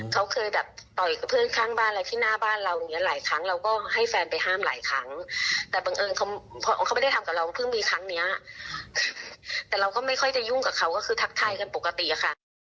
เขาเคยแบบต่อยกับเพื่อนข้างบ้านอะไรที่หน้าบ้านเราอย่างเงี้หลายครั้งเราก็ให้แฟนไปห้ามหลายครั้งแต่บังเอิญเขาไม่ได้ทำกับเราเพิ่งมีครั้งเนี้ยแต่เราก็ไม่ค่อยจะยุ่งกับเขาก็คือทักทายกันปกติอะค่ะ